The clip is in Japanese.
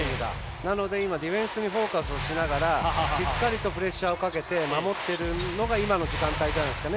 なので今、ディフェンスにフォーカスしながらしっかりとプレッシャーをかけて守ってるのが今の時間帯じゃないですかね。